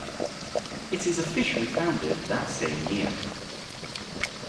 It is officially founded that same year.